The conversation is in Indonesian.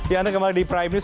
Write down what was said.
ya anda kembali di prime news